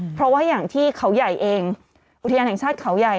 เพราะว่าอย่างที่เขาใหญ่เองอุทยานแห่งชาติเขาใหญ่